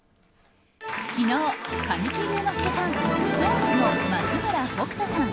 昨日、神木隆之介さんＳｉｘＴＯＮＥＳの松村北斗さん